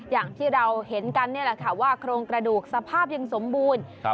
อย่างที่เราเห็นกันนี่แหละค่ะว่าโครงกระดูกสภาพยังสมบูรณ์